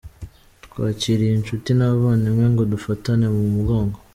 Twakiriye inshuti n’abavandimwe ngo dufatane mu mugongo.